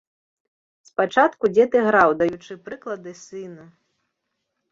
Спачатку дзед іграў, даючы прыклады сыну.